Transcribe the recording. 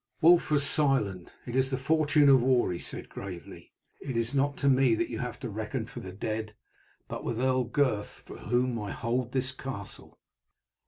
Wulf was silent. "It is the fortune of war," he said gravely. "It is not to me that you have to reckon for the deed, but with Earl Gurth, for whom I hold this castle."